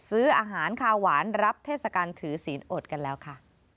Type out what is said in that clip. ซื้ออาหารคาวหวานรับเทศกาลถือศีลอดกันแล้วค่ะ